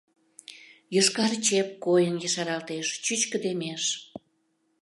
Йошкар чеп койын ешаралтеш, чӱчкыдемеш.